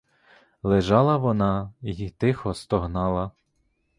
Лежала вона й тихо стогнала.